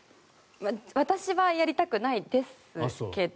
私はやりたくないですけど。